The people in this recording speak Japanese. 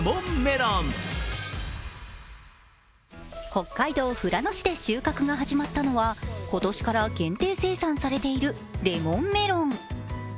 北海道富良野市で収穫が始まったのは、今年から限定生産されているレモンメロン。